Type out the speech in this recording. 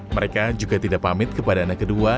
mereka juga tidak pamit kepada anak kedua